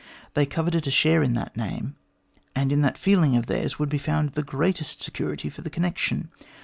They coveted a share in that name, and in that feeling of theirs would be found the greatest security for the connection.